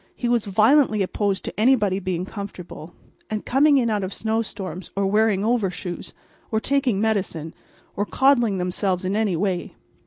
He was violently opposed to anybody being comfortable, and coming in out of snow storms, or wearing overshoes, or taking medicine, or coddling themselves in any way.